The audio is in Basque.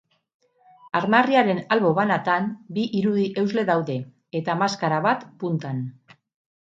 Armarriaren albo banatan, bi irudi-eusle daude, eta maskara bat puntan.